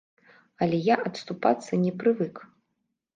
Але я адступацца не прывык.